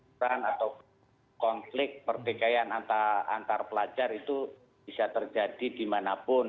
peran atau konflik pertikaian antar pelajar itu bisa terjadi dimanapun